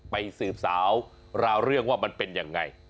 สืบสาวราวเรื่องว่ามันเป็นยังไง